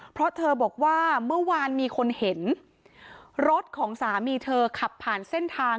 เพราะเธอบอกว่าเมื่อวานมีคนเห็นรถของสามีเธอขับผ่านเส้นทาง